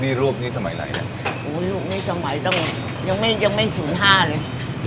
นี่รูปนี้สมัยไหนนะโอ้ยรูปนี้สมัยต้องยังไม่ยังไม่ศูนย์ห้าเลย